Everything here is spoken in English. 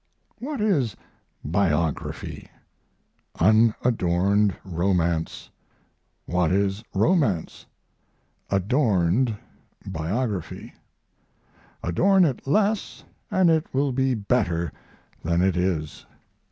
What is biography? Unadorned romance. What is romance? Adorned biography. Adorn it less and it will be better than it is.